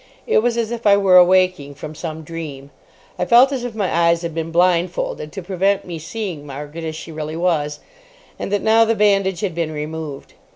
It was as if I were awaking from some dream. I felt as if my eyes had been blindfolded to prevent me seeing Margaret as she really was, and that now the bandage had been removed.